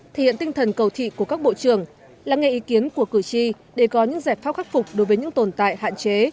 thể hiện tinh thần cầu thị của các bộ trưởng lắng nghe ý kiến của cử tri để có những giải pháp khắc phục đối với những tồn tại hạn chế